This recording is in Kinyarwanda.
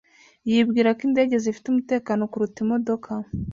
Yibwira ko indege zifite umutekano kuruta imodoka